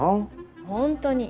本当に。